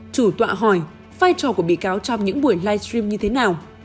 chủ tọa hỏi vai trò của bị cáo trong những buổi livestream như thế nào